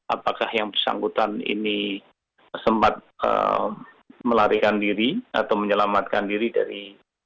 apakah yang bersangkutan ini sempat melarikan diri atau menyelamatkan diri dari